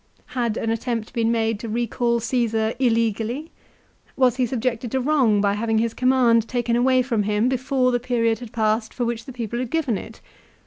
Had an attempt been made to recall Caesar illegally ? Was he subjected to wrong by having his command taken away from him before the period had passed for which the people had given it